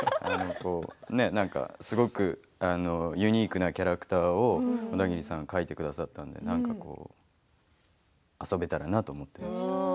すごくユニークなキャラクターをオダギリさん書いてくださったんで遊べたらなと思ってました。